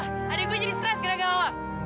lihat ah adik gue jadi stres gara gara ngopi